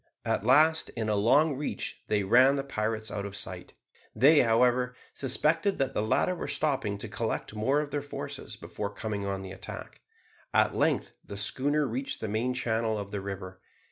At last, in a long reach, they ran the pirates out of sight. They, however, suspected that the latter were stopping to collect more of their forces before coming on to the attack. At length the schooner reached the main channel of the river.